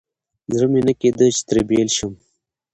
زړه مې نه کېده چې ترې بېل شم.